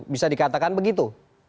bisa dikatakan begitu